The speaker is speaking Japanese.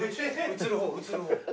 映る方映る方。